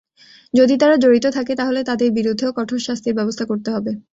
যদি তারা জড়িত থাকে, তাহলে তাদের বিরুদ্ধেও কঠোর শাস্তির ব্যবস্থা করতে হবে।